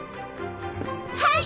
はい！